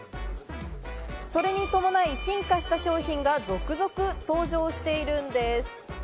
それに伴い進化した商品が続々登場しているんです。